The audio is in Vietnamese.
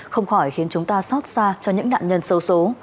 không khỏi khiến chúng ta xót xa cho những nạn nhân sâu xố